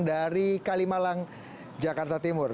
dari kalimalang jakarta timur